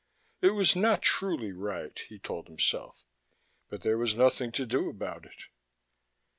It was not truly right, he told himself, but there was nothing to do about it.